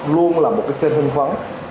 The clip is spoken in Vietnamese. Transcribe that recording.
luôn là một cái kênh hinh phấn